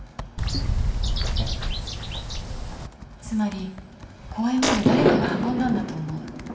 つまり公園まで誰かが運んだんだと思う。